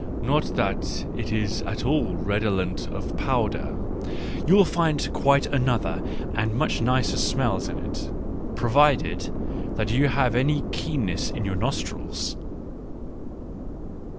Not that it is at all redolent of powder — you will find quite other and much nicer smells in it, provided that you have any keenness in your nostrils.